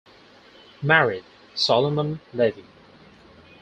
Married Solomon Levy.